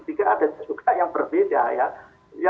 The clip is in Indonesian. ketua komisi tiga adanya juga yang berbeda ya